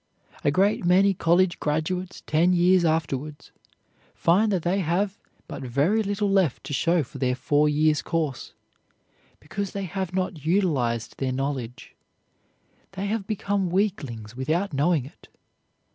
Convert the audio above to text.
A great many college graduates ten years afterwards find that they have but very little left to show for their four years' course, because they have not utilized their knowledge. They have become weaklings without knowing it.